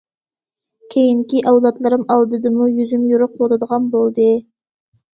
كېيىنكى ئەۋلادلىرىم ئالدىدىمۇ يۈزۈم يورۇق بولىدىغان بولدى.